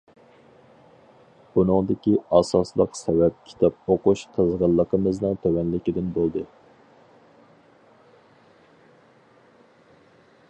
بۇنىڭدىكى ئاساسلىق سەۋەب كىتاب ئوقۇش قىزغىنلىقىمىزنىڭ تۆۋەنلىكىدىن بولدى.